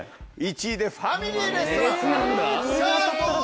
１位でファミリーレストランさぁどうだ？